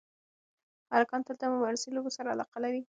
هلکان تل د مبارزې لوبو سره علاقه لري.